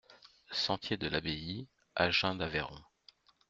Sentier de l'Abbaye, Agen-d'Aveyron